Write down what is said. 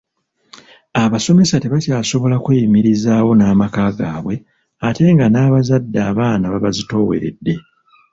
Abasomesa tebakyasobola kweyimirizaawo n’amaka gaabwe ate nga n’abazadde abaana babazitooweredde.